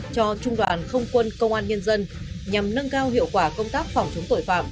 cho trung đoàn không quân công an nhân dân nhằm nâng cao hiệu quả công tác phòng chống tội phạm